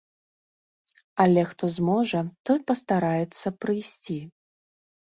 Але хто зможа, той пастараецца прыйсці.